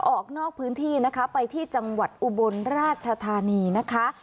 ออกนอกพื้นที่นะคะไปที่จังหวัดอุบลราชธานีนะคะ